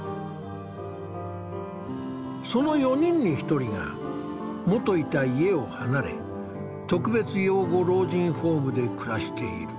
その４人に１人が元いた家を離れ特別養護老人ホームで暮らしている。